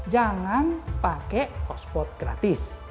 jangan pakai hotspot gratis